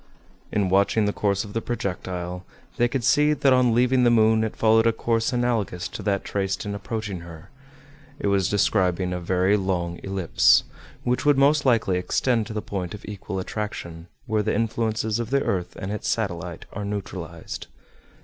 In watching the course of the projectile they could see that on leaving the moon it followed a course analogous to that traced in approaching her. It was describing a very long ellipse, which would most likely extend to the point of equal attraction, where the influences of the earth and its satellite are neutralized.